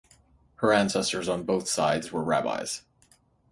Her ancestors on both sides were rabbis.